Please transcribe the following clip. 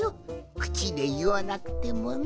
くちでいわなくてもな。